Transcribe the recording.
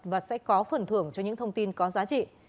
và sẽ có phần thưởng cho những thông tin có giá trị